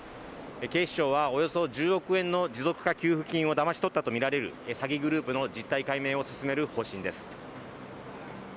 警視庁はおよそ１０億円の持続化給付金をだまし取ったとみられる詐欺グループの実態解明を進める方針です。